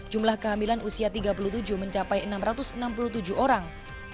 jumlah kehamilan usia tiga puluh tujuh mencapai enam ratus enam puluh tujuh orang